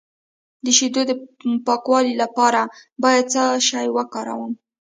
د شیدو د پاکوالي لپاره باید څه شی وکاروم؟